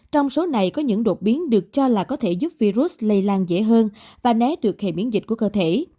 trong số này có những đột biến được cho là có thể giúp virus lây lan dễ hơn và né được hệ miễn dịch của cơ thể